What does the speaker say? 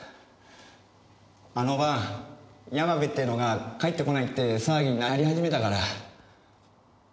あの晩山部っていうのが帰ってこないって騒ぎになり始めたから。